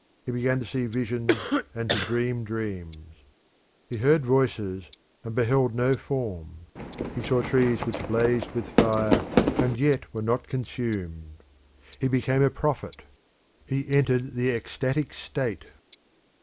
He began to see visions and to dream dreams. He heard voices and beheld no form; he saw trees which blazed with fire and yet were not consumed. He became a prophet; he entered the ecstatic state.